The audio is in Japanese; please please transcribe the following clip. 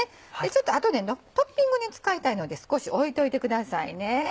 あとでトッピングに使いたいので少し置いておいてください。